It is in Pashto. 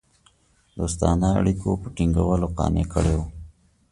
دوستانه اړېکو په ټینګولو قانع کړي وه.